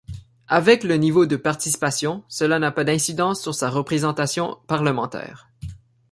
Avec le niveau de participation, cela n'a pas d'incidence sur sa représentation parlementaire.